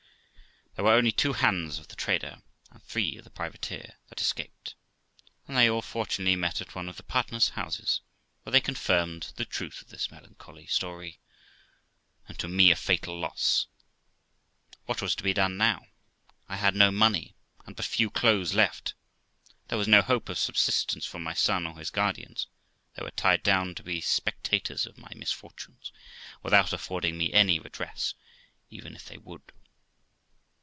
There were only two hands of the trader, and three of the privateer, that escaped, and they all fortunately met at one of the partners' houses, where they confirmed the truth of this melancholy story, and to me a fatal loss. What was to be done now? I had no money, and but few clothes left ; there was no hope of subsistence from my son or his guardians ; they were tied down to be spectators of my misfortunes, without affording me any redress, even if they would.